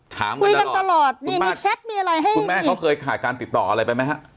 คุยกันตลอดนี่มีแชทมีอะไรให้คุณแม่เขาเคยขาดการติดต่ออะไรไปไหมฮะ